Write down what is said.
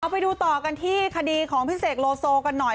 ไปดูต่อกันที่คดีของพี่เสกโลโซกันหน่อย